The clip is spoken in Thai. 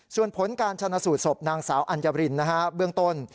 ส่วนผลการชนะสูตรศพนางสาวอัญรินเบื้องต้น